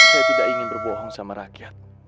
saya tidak ingin berbohong sama rakyat